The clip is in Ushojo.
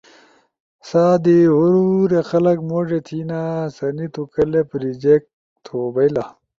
سہ دی ہور خلق موڙے تھینا سنی تو کلپ ریجیکٹ تو بئیلا۔